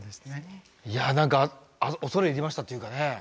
いや何か恐れ入りましたっていうかね。